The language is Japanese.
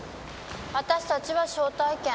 私たちは招待券。